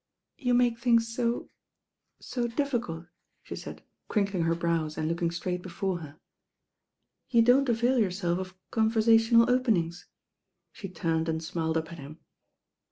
"You make things so— so difficult," she said crinkling her brows and looking straight before her. "You don't avail yourself of conversational open ings." She turned and smiled up at him.